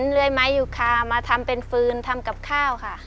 เลื่อยไม้อยู่คามาทำเป็นฟืนทำกับข้าวค่ะ